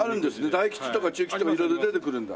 大吉とか中吉とか色々出てくるんだ。